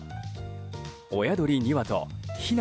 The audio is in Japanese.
親鳥２羽とヒナ